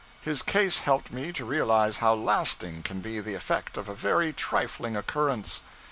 His case helped me to realize how lasting can be the effect of a very trifling occurrence.